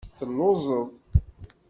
Telluẓeḍ.